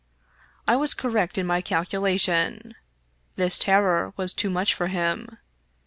I was correct in my calculation. This terror was too much for him.